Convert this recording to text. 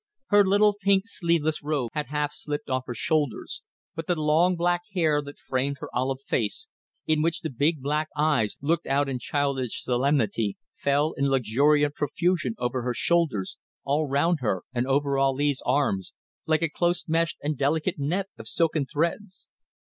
Her little pink, sleeveless robe had half slipped off her shoulders, but the long black hair, that framed her olive face, in which the big black eyes looked out in childish solemnity, fell in luxuriant profusion over her shoulders, all round her and over Ali's arms, like a close meshed and delicate net of silken threads.